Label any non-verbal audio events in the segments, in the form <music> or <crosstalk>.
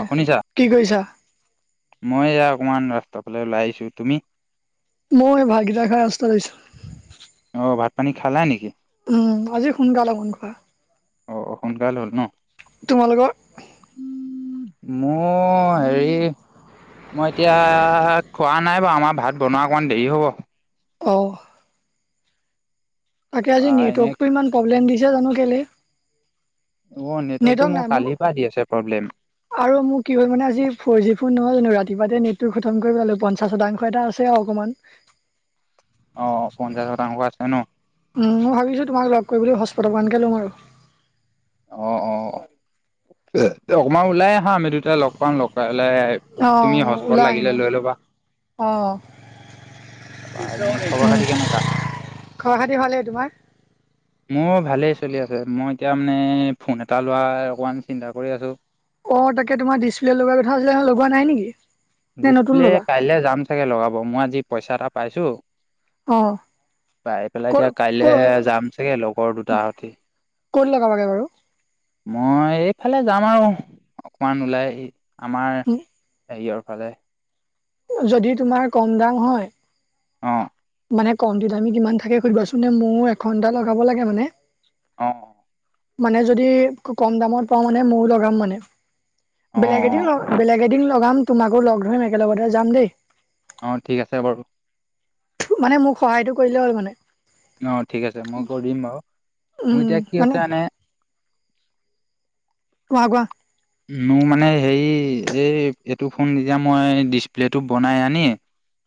অ শুনিছা কি কৰিছা মই এ অকমান ৰাস্তাৰ পালে ওলাই আহিছো তুমি মই ভাতকেইটা খাই আছিলো। অঁ ভাত পানী খালে নেকি? উম আজি সোনক লোন কা অঁ সোনকাল হ'ল ন তোমালোকৰ মোৰ হেৰি মই এতিয়া খোৱা নাই বাৰু আমাৰ ভাত বনোৱা অকণমান দেৰি হ'ব অঁ তাকে আজি এনে নেটৱৰ্কটো ইমান প্ৰব্লেম দিছে জানো কেলৈ অঁ নেটৱৰ্কতটো মোৰ কালিৰ পৰা দি আছে প্ৰব্লেম আৰু মোক কি হ'ল মানে আজি ফৰ জি ফোন নহয় জানো ৰাতি ৰাতিপুৱাই তে নেটটো খতম কৰিব পালো পঞ্চাশ শতাংশ এটা আছে আৰু অকণমান অ পঞ্চাশ শতাংশ আছে ন উম মই ভাবিছো তোমাক লগ কৰিবলৈ সচ অলপানকৈ লম আৰু এ অকমান ওলাই আহা আমি দুটাই লগ পাম লগাই তুমি সজ অ', পত ওলাই আহিম লাগিলে অ', লৈ ল'বা অ', তাৰপৰা এনেই খবৰ উম, খাতি কেনেকুৱা খবৰ খাতি ভালেই তোমাৰ? মোৰ ভালেই চলি আছে মই এতিয়া মানে ফোন এটা লোৱাৰ অকণমান চিন্তা কৰি আছোঁ অ তাকে তোমাৰ ডিছপ্লে লগোৱা কথা আছিলে ন লগোৱা নাই নেকি নে নতুন ডিচপ্লে ল'বা? কাইলে যাম চাগে লগাব মই আজি পইচা এটা পাইছো অঁ পাই পেলাই এতিয়া কাইলৈ যাম চাগে লগৰ দুটাহতে ক'ত লগাবাগে বাৰু? মই ইফালে যাম আৰু অকমান ওলাই আমাৰ হেৰিয়ৰ ফালে যদি তোমাৰ কম দাম হয় অঁ মানে কম দিত আমি কিমান থাকে সুধিবাচোন নে ময় এঘন্টা লগাব লাগে মানে অঁ মানে যদি কম দামত পাওঁ মানে ময় লগাম মানে অ অ বেলেগ এদিন বেলেগ এদিন লগাম তোমাকো লগ ধৰিম একেলগতেহ যাম দেই অঁ ঠিক আছে বাৰু মানে মোক সহায়টো কৰিলে হ'ল মানে অঁ ঠিক আছে মই কৰি দিম বাৰু মোৰ উম এতিয়া কি মানে হৈছে এনে কোৱা কোৱা। মোৰ মানে হেৰি এই এইটো ফোন এতিয়া মই ডিচপ্লেটো বনাই আনি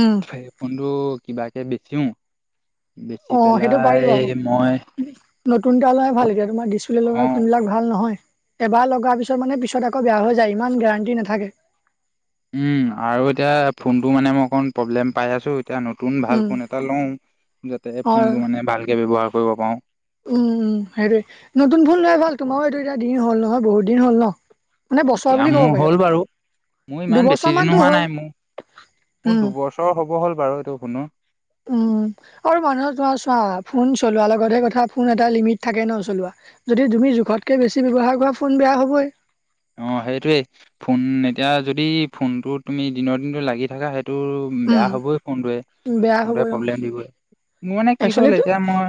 উম সেইফোনটো কিবাকে বেচিও বেচি অঁ সেইটো পেলাই পাৰিব মই নতুন এটা লাই ভালকে তোমাৰ ডিচপ্লে অ লগাই ফোন বিলাক ভাল নহয় এবাৰ লগাৰ পিছত মানে পিছত আকৌ বেয়া হৈ যায় ইমান গেৰাণ্টি নাথাকে উম আৰু এতিয়া ফোনটো মানে মই অকণ প্ৰব্লেম পাই আছো এতিয়া নতুন ভাল উম ফোন এটা লও যাতে অ ফোনটো মানে ভালকে ব্যয়ৱহাৰ কৰিব পাৰো উম উম সেইটোৱে নতুন ফোন লৈ ভাল তোমাৰো এইটো এতিয়া দিন হ'ল নহয় বহুত দিন হ'ল ন মানে এতিয়া বছোৱা বুলি মোৰ ক'ব পাৰি হ'ল আৰু বাৰু মোৰ ইমান দুবছৰ বেছিদিনো মানতো হোৱা হ'ল নাই মোৰ-মোৰ উম দুবছৰ হব হ'ল বাৰু এইটো শুনো উম আৰু মানুহৰ তোমাৰ চোৱা ফোন চলোৱা লগতহে কথা ফোন এটা লিমিট থাকে ন চলোৱা যদি তুমি জোখতকে বেছি ব্যৱহাৰ কৰা ফোন বেয়া হ'বই। অ সেইটোৱেই ফোন এতিয়া যদি ফোনটো তুমি দিনৰ দিনতটো লাগি থাকা হয়। টো উম বেয়া হবই ফোনটোৱে বেয়া ফোন হ'বই অ প্ৰব্লেম দিব মোৰ মানে কি হল একচুৱেলিটো এতিয়া মই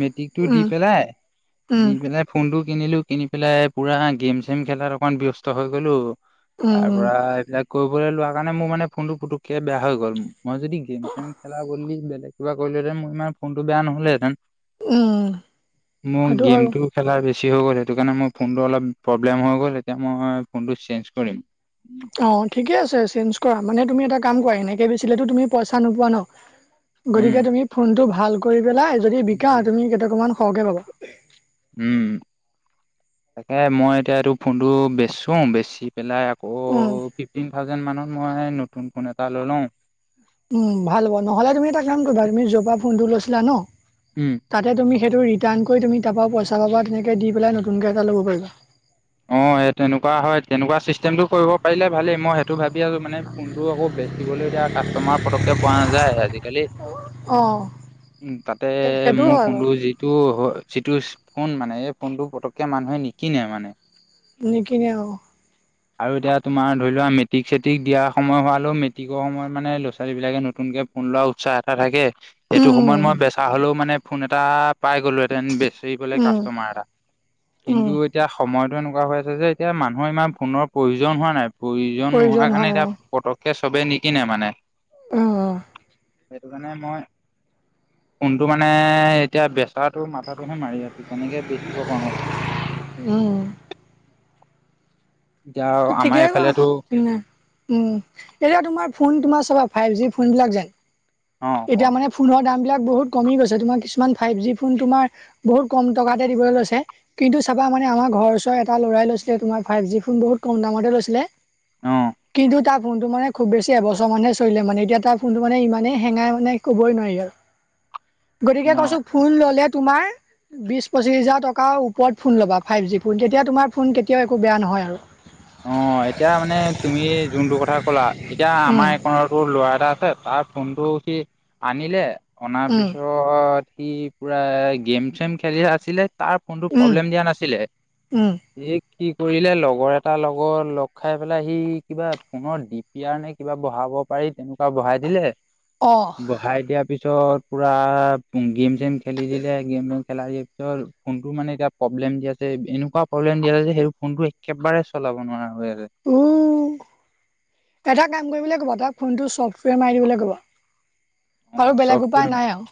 মেট্ৰিকটো দি উম পেলাই, উম দি পেলাই ফোনটো কিনিলো কিনি পেলাই পুৰা গেম-চেম খেলাত অকনমান ব্যস্ত হৈ গলো তাৰ উম পৰা এইবিলাক কৰিবলৈ লোৱা কাৰণে মোৰ মানে ফোনটো পুটকে বেয়া হৈ গ'ল মই যদি গেম-চেম খেলা বদলি বেলেগ কিবা কৰিলেহেঁতেন মই ইমান ফোনটো বেয়া নহলেহেঁতেন? উম <inaudible> মোৰ সেইটো হয় বাৰু। গেমটো খেলাৰ বেছি হৈ গ'ল সেইটো কাৰণে মোৰ ফোনটো অলপ প্ৰব্লেম হৈ গ'ল এতিয়া মই ফোনটো চেঞ্জ কৰিম। অ ঠিকে আছে চেঞ্জ কৰা মানে তুমি এটা কাম কৰা এনেকে বেচিলেতো তুমি পইচা নোপোৱা ন গতিকে উম, তুমি ফোনটো ভাল কৰি পেলাই যদি বিকা তুমি কেইটকামান সহকে পাবা। উম তাকে মই এতিয়া এইটো ফোনটো বেচো বেছি পেলাই আকৌ উম ফিফটিন থাউজেণ্ড মানৰ মই নতুন ফোন এটা ললো উম ভাল হ'ব নহ'লে তুমি এটা কিমান কৰিবা তুমি জপা ফোনটো লৈছিলা ন উম। তাতে তুমি সেইটো ৰিটাৰ্ণ কৰি তুমি তাৰপৰা পইচা পাবা তেনেকে দি পেলাই নতুনকে এটা ল'ব পাৰা অ এই তেনেকুৱা হয় তেনেকুৱা চিষ্টেমটো কৰিব পাৰিলে ভালেই মই সেইটো ভাবি আছো মানে ফোনটো আকৌ বেচিবলৈ এতিয়া কাষ্টমাৰ পতকে পোৱা নাযায় আজি দিলি অ' তাতে সেইটো মোৰ হয় বাৰু ফোনটো যিটো-যিটো ফোন মানে এই ফোনটো পতককে মানুহে নিকিনে মানে নিকিনে অঁ আৰু এতিয়া তোমাৰ ধৰি লোৱা মেট্ৰিক-চেট্ৰিক দিয়া সময় হোৱালো মেট্ৰিকৰ সময়ত মানে ল'ৰা-ছোৱালীবিলাকে নতুন কে ফোন লোৱা উৎসাহ এটা থাকে সেইটো উম, সময়ত মই বেচা হলেও মানে ফোন এটা পাই গ'লোহেঁতেন বেচি পলে উম, কাষ্টমাৰ এটা উম। কিন্তু এতিয়া সময়ত এনেকুৱা হৈ আছে যে এতিয়া মানুহৰ ইমান ফোনৰ প্ৰয়োজন হোৱা নাই প্ৰয়োজন নোহোৱা হোৱা কাৰণে নাই এতিয়া পত চবে নিকনে মানে- আহ অঁ সেইটো কাৰণে মই কোনটো মানে এতিয়া ব্যস্ত মথাাতটো মাথাটোহে মাৰি আছো কেনেকে বেচিব পাৰো উম, এতিয়া আমাৰ ঠিকে কোৱা এইফালেতো উম এতিয়া তোমাৰ ফোন তোমাৰ চবা ফাইভ জি ফোনবিলাক যেন অ কোৱা এতিয়া মানে ফোন দামবিলাক বহুত কমি গৈছে তোমাৰ কিছুমান ফাইভ জি ফোন তুমাৰ বহুত কম টকা দিবলৈ লৈছে কিন্তু চাবা আমাৰ মানে আমাৰ ঘৰৰ এটা ল'ৰাই লৈছিলে তোমাৰ ফাইভ জি ফোন বহুত কম দামতে লৈছিলে অ কিন্তু তাৰ ফোনটো মানে খুব বেছি এবছৰ মানহে চলিলে মানে এতিয়া তাৰ ফোনটো মানে ইমানেই হেঙাই মানে ক'বই নোৱাৰি আৰু অ গতিকে কৈছো ফোন ললে তোমাৰ বিশ পঁচিশ হাজাৰ টকাৰ ওপৰত ফোন ল'বা ফাইভ জি ফোন তেতিয়া তোমাৰ ফোন কেতিয়াও একো বেয়া নহয়। নহয় আৰু অ এতিয়া মানে তুমি যোনটো কথা ক'লা এতিয়া আমাৰ উম এইকনটো ল'ৰা এটা আছে তাৰ ফোনটো সি আনিলে অনা উম পিছত সি পুৰা গেম-চেম খেলি আছিলে তাৰ কোনটো উম প্ৰব্লেম দিয়া নাছিলে উম সি কি কৰিলে লগৰ এটা এটাৰ লগত লগ খাই পেলাই সি কিবা পুনৰ দিপিয়াৰ নে কিবা বঢ়াব পাৰি তেনেকুৱা বহাই দিলে অ বহাই দিয়াৰ পিছত পুৰা গেম-চেম খেলি দিলে গেম খেলা পিছত ফোনটো মানে এতিয়া প্ৰব্লেম দিয়া আছে এনেকুৱা প্ৰব্লেম দি আছে যে সেইটো ফোনটো একেবাৰে চলাব নোৱাৰা হৈ আছে উম! এটা কাম কৰিবলৈ ক'বা তাক ফোনটো ছফ্টৱেৰ মাৰি দিবলৈ ক'বা। অ আৰু বেলেগ চফ্টৱেৰ উপায় মানে নাই আৰু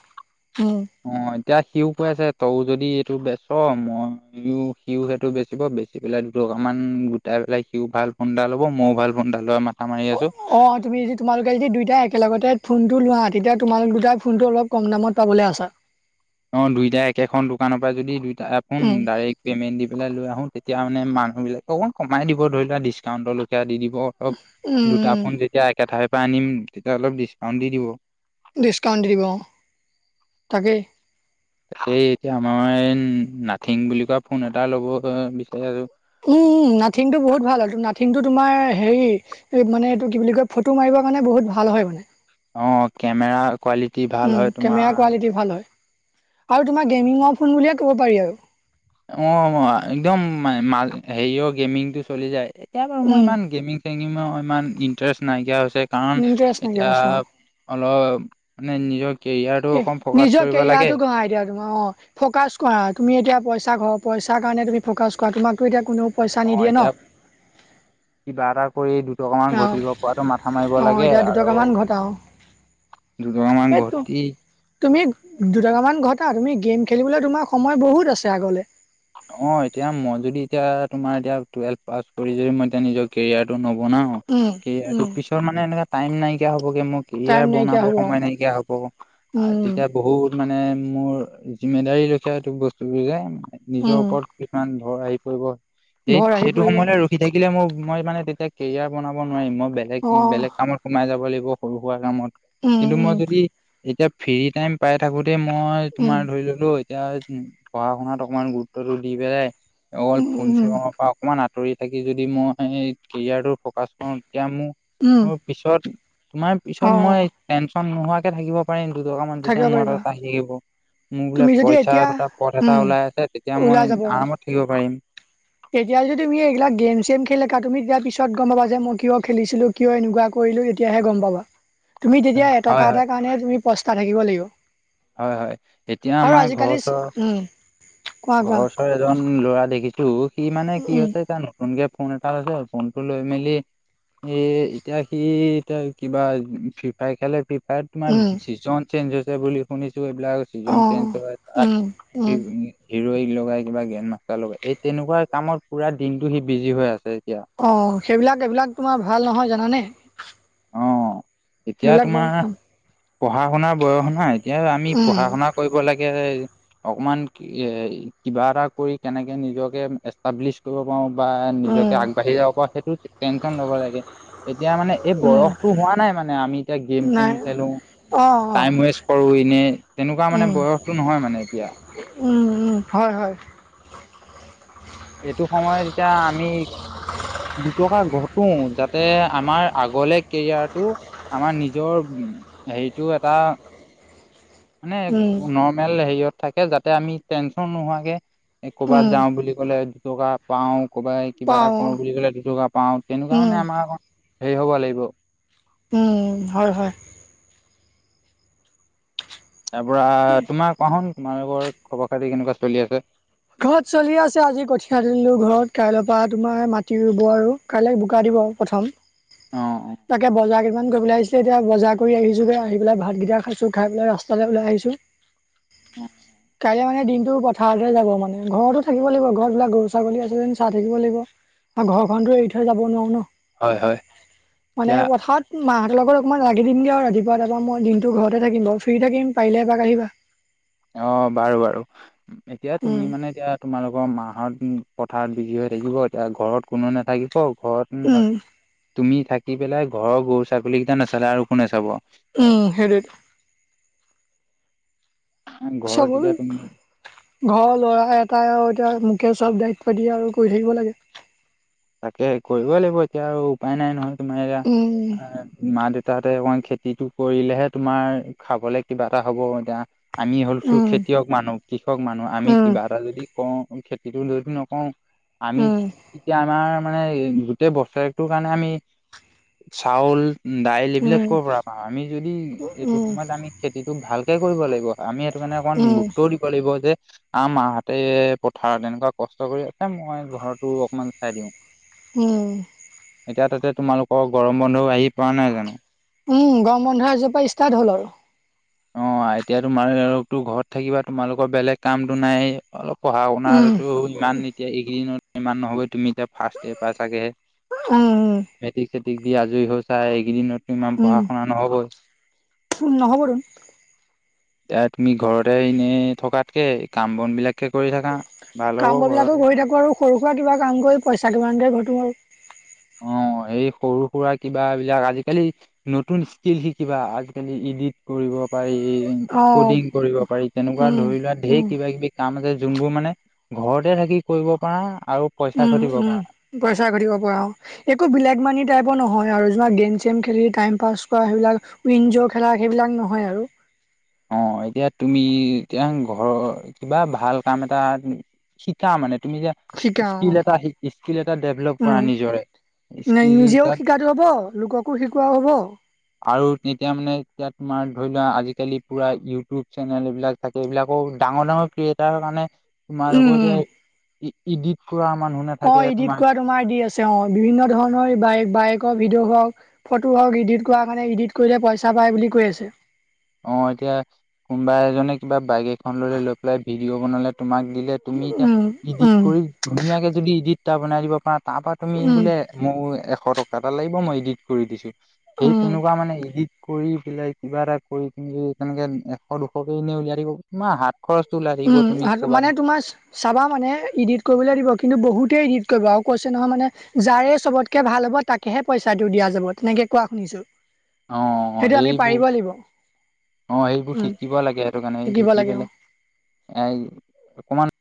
উম অ এতিয়া সিও কৈ আছে তই যদি এইটো বেচ মইো সিও সেইটো বেচিব বেচি পেলাই দুটো লগান গোটাই পেলাই সিও ভাল ফোন এটা ল'ব মইো ভাল ফোন এটা লোৱা মাত অ অ তুমি যদি তোমালোকে যদি দুইটাই একেলগতে ফোনটো লোৱা তেতিয়া তোমালোক দুটাই ফোনতটো অলপ কম দামত পাবলৈ আছা অ দুইটা একেখন দোকানৰ পৰা যদি দুইটান উম ডাইৰেক্ট পেমেণ্ট দি পেলাই লৈ আহো তে এতিয়া মানে মানুহবিলাকে অকণ কমাই দিব ধৰি লোৱাক ডিছকাউণ্টৰলৈকে দি দিব অলপ দুটা উম ফোন যেতিয়া একে ঠাইৰ পৰা আনিম তেতিয়া অলপ ডিচ্কাউন্ট দি দিব ডিছকাউণ্ট দিব তাকেই তাক এতিয়া আমাৰ এই নাথিং বুলি কোৱা ফোন এটা ল'ব বিচাৰে আৰু উম নাথিং টো বহুত ভাল আৰু না থিংটো তোমাৰ হেৰি এই মানে এইটো কি বুলি কয় ফটো মাৰিবৰ কাৰণে বহুত ভাল হয় মানে অ কেমেৰা কোৱালিটি ভাল উম, হয় কেমেৰা তোমাৰ কোৱালিটি ভাল হয়। আৰু তোমাৰ গেমিঙৰ ফোন বুলিয়ে ক'ব পাৰি আৰু অ একদম ম হেৰিৰ গেমিং টো চলি যায় এতিয়া বাৰু মোৰ উম, ইমান গেমিং চেমিং মৰ ইণ্টাৰেষ্ট নাইকিয়া হৈছে কাৰণ ইণ্টাৰেষ্ট নাইকিয়া এতিয়া হৈছে অ'। অলপ মানে নিজৰ কেৰিয়াৰটো এ অকণ ফ'কাচ নিজৰ কৰিব লাগে। কেৰিয়াৰটো ঘ এতিয়া তোমাৰ অ ফকাচ কৰা তুমি এতিয়া পইচা ঘ পইচাৰ কাৰণে তুমি ফকাছ কৰা তোমাকো এতিয়া কোনো অ এতিয়া কিবা এটা কৰি দু অকমান অ', ঘটিব পৰাতটো মাথা মাৰিব অ', লাগে এতিয়া আৰু দুটকামান ঘটাও, দুটক মান ঘৰ্তি দুটাক মান ঘটা তুমি গেম খেলিবলৈ তোমাৰ সময় বহুত আছে আগলৈ অ এতিয়া মই যদি এতিয়া তুমাৰ এতিয়া টুৱেলভ পাছ কৰি য মই এতিয়া নিজৰ কেৰিয়াৰটো ন বনা উম, উম, পিছৰ মানে এনেকা টাইম নাইকিয়া হ'ব হে মোৰ টাইম কেৰিয়াৰ বনাব নাইকিয়া হ'ব, সময় নাইকিয়া হ'ব উম। তেতিয়া বহুত মানে মোৰ জিম্মেদাৰি লখিয়া এইটো বস্তুোৰ যে নিজৰ উম, ওপৰত কিছুমান ঘৰ হেৰি কৰিব সেই ভৰ আহি সেইটো পৰিব সময়তে ৰখি থাকিলে মোৰ মই মানে তেতিয়া কেৰিয়াৰ বনাব নোৱাৰিম মই বেলেগ অ', বেলেগ কামত সোমাই যাব লাগিব সৰু সুৰা কামত কিন্তু মই উম, উম, যদি এতিয়া ফ্ৰী টাইম পাই থাকোতে মই উম, তোমাৰ ধৰি ললো এতিয়া পঢ়া শুনাত অকণমান গুৰুত্বটো দি পেলাই অকল উম, ফোন চৰ উম, পৰা অকণমান আঁতৰি থাকি যদি মই সেই কেৰিয়াৰটো ফকাচ কৰো তেতিয়া উম, মোৰ পিছত তোমাৰ পিছত অ', মই টেনশ্যন নোহোৱাকে থাকিব প দুটকা মান থাকিব যেতিয়া মোৰ পাৰিবা আহি থাকিব মোৰ বোলে তুমি যদি পইচা এতিয়া দুটা পথ এটা উম, ওলাই আছে তেতিয়া মই ওলাই যাব আৰামত থাকিব পাৰিম এতিয়া যদি তুমি এইগিলাক গেম চেম খেলা তুমি তেতিয়া পিছত গম পাবা যে মই কিয় খেলিছিলো কিয় এনেকুৱা কৰি <inaudible> হয় হয় হয় হয় এতিয়া আৰু আমাৰ ঘৰ আজিকালি ওচৰৰ উম কোৱা ঘৰৰ কোৱা ওচৰৰ এজন ল'ৰা দেখিছো সি মানে কি উম, হৈছে তাৰ নতুনকে ফোন এটা লৈছে ফোনটো লৈ মেলি এ এতিয়া সি এতিয়া কিবা ফ্ৰী ফায় খেলে তাৰ তোমাৰ উম, ছিজন চেঞ্জ হৈছে বুলি শুনিচো এইবিলাক চিজন অ', চেঞ্জ হয় তাত উম, উম, হিৰইক লগাই কিবা গ্ৰেণ্ড মাষ্টাৰ লগাই এই তেনেকুৱা কামত পুৰা দিনটো সি বিজি হৈ আছে। এতিয়া অ সেইবিলাক এইবিলাক তোমাৰ ভাল নহয় জানা নে? অ এতিয়া বৰ তোমাৰ পঢ়া শুনাৰ বয়স নাই এতিয়া আমি উম, পঢ়া শুনা কৰিব লাগে। অকমান এ কিবা এটা কৰি কেনেকে নিজকে এষ্টাব্লিছ কৰিব পাৰো বা উম, নিজকে আগবাঢ়ি যাব পৰা সেইটো টেনচন ল'ব লাগে। এতিয়া মানে এই উম। বয়সতটো হোৱা নাই মানে আমি এতিয়া গেম ছেম নাই খেলো। অ অ টাইম ৱেষ্ট কৰো এনে তেনেকুৱা মানে উম বয়সটো নহয় মানে এতিয়া। হয় হয়। এইটো সময়ত এতিয়া আমি দুটকা ঘটো যাতে আমাৰ আগলে কেৰিয়াৰটো আমাৰ নিজৰ উ হেৰিটো এটা <inaudible> মানে উম নৰ্মেল হেৰিয়ত থাকে যাতে আমি টেনচন নোহোৱাকে উম কৰ'বাত যাও বুলি। ক'লে দুটকা পাও ক'বাই কিবা এটা পাওঁ কৰো বুলি ক'লে দুটকা পাও তেনেকুৱা উম মানে আমাৰ হেৰি হ'ব লাগিব হয় হয়। তাৰ পৰা তোমাৰ কোৱা শোন তোমাৰোকৰ খবৰ খাতি কেনেকুৱা চলি আছে? ঘৰত চলি আছে আজি কঠিয় দিলো, ঘৰত কাইলৈ তোমাৰ মাটি ৰুব আৰু কাইলৈ বোকা দিব প্ৰথম। অ অ তাকে বজাৰ কেইমান কৰিবলে আহিছিলো। এতিয়া বজাৰ কৰি আহিছোগে আহি পেলাই ভাতকেইটা খাইছো খাই পেলাই ৰাস্তালৈ ওলাই আহিছো অ কাইলৈ মানে দিনটো পথাৰতে যাব মানে ঘৰতো থাকিব লাগিব, ঘৰত বিলাক গৰু ছাগলী আছে যেন চাই থাকিব লাগিব। আৰু ঘৰখনতো এৰি থৈ যাব নোৱাৰো ন। হয় হয় মানে এতিয়া পথাৰত মাহঁতৰ লগত অকণমান লাগি দিম দিয়া আৰু ৰাতিপুৱা তাৰপা মই দিনতটো ঘৰতে থাকি বাৰ ফ্ৰী থাকিম পাৰিলে এপাক আহিবা। অ বাৰু বাৰু এতিয়া তুমি উম মানে এতিয়া তোমালোকৰ মাহত পথাৰত বিকি হৈ থাকিব এতিয়া ঘৰত কোনু নাথাকিব ঘৰত উম তুমি থাকি পেলাই ঘৰৰ গৰু ছাগলী কেইটা নচালা আৰু কোনে চাব। উম হেইটোয়েই। চব ঘৰত হ'ল, এতিয়া তুমি ঘৰৰ ল'ৰা এটাই আৰু এতিয়া মোকে চব দায়িত্ব দি আৰু কৰি থাকিব লাগে। তাকে কৰিব লাগিব এতিয়া আৰু উপায় নাই নহয় তোমাৰ এতিয়া উম মা দেউতা তাহতে অকণ খেতিটো কৰিলেহে তোমাৰ খাবলে কিবা এটা হব এতিয়া আমি হ'লছো উম খেতিয়ক মানুহ কৃষক মানুহ আমি উম কিবা এটা যদি কওঁ খেতিতো য নকওঁ আমি উম এতিয়া আমাৰ মানে গোটেই বছৰেটোৰ কাৰণে আমি চাউল দাইল এইবিলাক উম ক'ৰ পৰা পাওঁ আমি যদি এইটো উম সময়ত আমি খেতিটো ভালকে কৰিব লাগিব। আমি এইেইটো মানে অকণমান উম গুৰুত্বও দিব লাগিব যে আ মাৰ হাতে পথাৰ তেনেকুৱা কষ্ট কৰি আছে মই ঘৰটো অকমান চাই দিওঁ। উম। এতিয়া তাতে তোমালোকৰ গৰম বন্ধও আহি পোৱা নাই জানো? উম গম বন্ধ আজি পৰা ষ্টাৰ্ট হ'ল আৰু। অ এতিয়া তোমাৰ তো ঘৰত থাকিবা তোমালোকৰ বেলেগ কামো নাই অলপ পঢ়া উম শুনাতো ইমান এতিয়া এইকেইদিনত ইমান নহব তুমি এতিয়া ফাৰ্ষ্ট ইয়েৰ পাইছাগেহে উম মেট্ৰিক চেট্ৰিক দি আজৰি হৈ চাই এইকেইদিনত ইমান পঢ়া শুনা নহবই নহ'ব ত এয়া তুমি ঘৰতে এনেই থকাতকে কাম বন বিলাক এনেকে কৰি থাকা ভাল কাম হ'ব বনবিলাকো ঘৰতে কৰি থাকো আৰু সৰু সুৰা কিবা কাম কৰি পইচা কিমান এটা ঘটো আৰু অ এই সৰু সুৰা কিবা বিলাক আজিকালি নতুন স্কিল শিকিবা আজিকালি ইডিট কৰিব তাৰপা এই অ পুডিং কৰিব পাৰি তেনেকোছেৱা উম ধৰি লোৱা ধেৰ উম কিবা কিবি কাম আ যোনবোৰ মানে ঘৰতে থাকি কৰিব পৰা উম উম পইচা ঘটিব পৰা অ একো ব্লেক মানি টাইপৰ নহয় আৰু যোমাক গেম চেম খেলি টাইম পাছ কৰা সেইবিলাক উইনজ' খেলা সেইবিলাক নহয় আৰু। অ এতিয়া তুমি, এতিয়া ঘৰৰ কিবা ভাল কাম এটা। শিকা মানে তুমি যে শিকা স্কিল অ', এটা স্কিল এটা ডেভেলপ কৰা নিজৰে। নাই স্কিল নিজেও তাত শিকাটো হব লোককো শিকোৱাও হ'ব। আৰু এতিয়া মানে এতিয়া তোমাৰ ধৰি লোৱা আজিকালি পুৰা ইউটিউব চেনেল এইবিলাক থাকে। এইবিলাকো ডাঙৰ ডাঙৰ ক্ৰিয়েটাৰৰ কাৰণে উম, তোমালোকৰ উম, এতিয়া ইডিত। অ ইডিট কৰা তোমাৰ আইদিৰ আছে অ। বিভিন্ন ধৰণৰ বাই বাইকৰ ভিডিঅ' হওক, ফটো হওক ইডিট কৰা কাৰণে ইডিট কৰিলে পইচা পায় বুলি কৈ আছে। অ এতিয়া কোনোবা এজনে কিবা বাইক এখন লৈ, লৈ পেলাই ভিডিঅ' বনালে। তোমাক দিলে তুমি এতিয়া উম, ইডিট উম, কৰি ধুনীয়াকে যদি ইডিট এটা বনাই দিব পাৰাতাত তাৰ পৰা তুমি উম, বোলে মোৰ এশ টকা এটা লাগিব মই ইডিত কৰি দিছো। সেই উম। তেনেকোৱা মানে ইডিট কৰি পেলাই কিবা এটা কৰি পিনি তেনেকে এশ, দুশকেই এনে উলিয়াই দিব। তোমাৰ হাত খৰচটো ওলাই থাকিব উম তুমি ক'ৰবাত মানে তোমাৰ চাবা মানে ইডিট কৰিবলৈ দিব। কিন্তু বহুতে ইডিত কৰিব আৰু কৈছে নহয় মানে যাৰে চবতকে ভাল হ'ব তাকেহে পইচাটো দিয়া যাব। তেনেকে কোৱা শুনিছো। অ', অ', সেইটো আমি এইবোৰ পাৰিব লাগিব। অ সেইবোৰ উম শিকিব লাগে সেইটো কাৰণে শিকিব শিকি লাগে অ পেলাই এই অকমান।